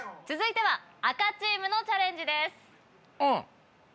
続いては赤チームのチャレンジです。